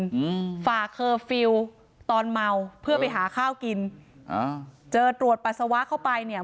อืมฝากเคอร์ฟิลล์ตอนเมาเพื่อไปหาข้าวกินอ่าเจอตรวจปัสสาวะเข้าไปเนี่ย